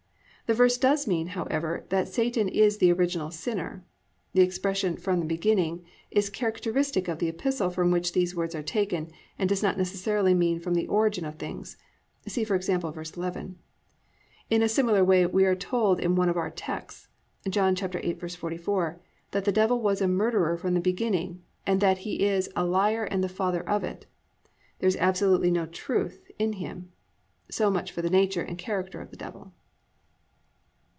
The verse does mean, however, that Satan is the original sinner. The expression "from the beginning" is characteristic of the epistle from which these words are taken and does not necessarily mean from the origin of things (see for example verse 11). In a similar way we are told in one of our texts—John 8:44—that the Devil was a murderer from the beginning and that he is "A liar and the father of it." There is absolutely "no truth in him." So much for the nature and character of the Devil.